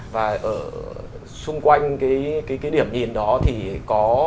và ở xung quanh cái điểm nhìn đó thì có